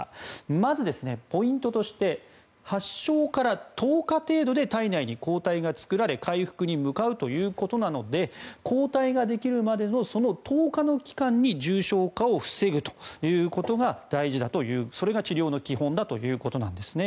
まず、ポイントとして発症から１０日程度で体内に抗体が作られ回復に向かうということなので抗体ができるまでの１０日の期間に重症化を防ぐということが大事だというそれが治療の基本だということなんですね。